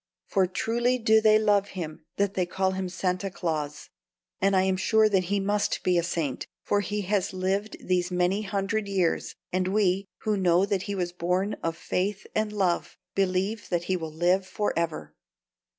So truly do they love him that they call him Santa Claus, and I am sure that he must be a saint; for he has lived these many hundred years, and we, who know that he was born of Faith and Love, believe that he will live forever.